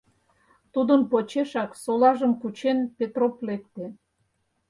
Тудын почешак, солажым кучен, Петроп лекте.